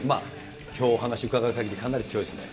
きょうお話を伺うかぎり、かなり強いですね。